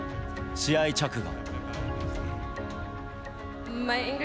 試合直後。